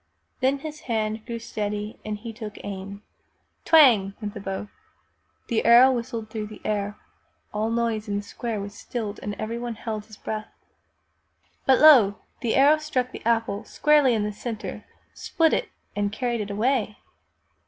Then his hand grew steady and he took aim. Twang! went the bow. The arrow whistled through the air. All noise in the square was stilled and everyone held his breath. But lo! the arrow struck the apple squarely in the center, split it, and carried it away!